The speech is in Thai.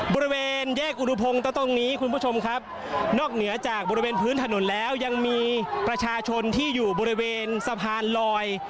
บริเวณแยกอุดพงศ์ตรงนี้คุณผู้ชมครับนอกเหนือจากบริเวณพื้นถนนแล้วยังมีประชาชนที่อยู่บริเวณสะพานลอย